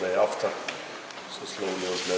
semua orang lain baik baik saja